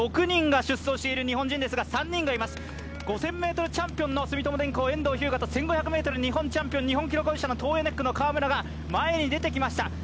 ６人が出走している日本人ですが、３人がいます、５０００ｍチャンピオンの遠藤日向と１５００ｍ日本チャンピオンのトーエネックの河村が前に出てきました。